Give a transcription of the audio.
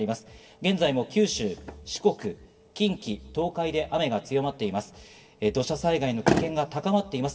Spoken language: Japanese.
現在も九州、四国、近畿、東海で雨が強まっています。